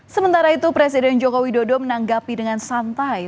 sementara itu presiden joko widodo menanggapi dengan santai